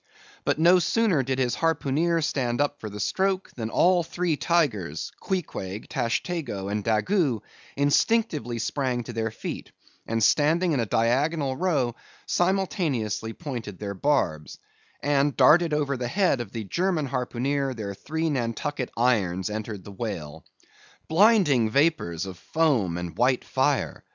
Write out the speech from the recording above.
But no sooner did his harpooneer stand up for the stroke, than all three tigers—Queequeg, Tashtego, Daggoo—instinctively sprang to their feet, and standing in a diagonal row, simultaneously pointed their barbs; and darted over the head of the German harpooneer, their three Nantucket irons entered the whale. Blinding vapors of foam and white fire!